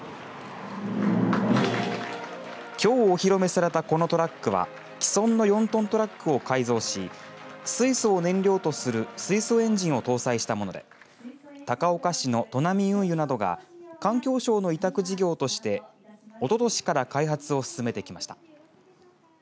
きょうお披露目されたこのトラックは既存の４トントラックを改造し水素を燃料とする水素エンジンを搭載したもので高岡市のトナミ運輸などが環境省の委託事業としておととしから開発を進めてきました。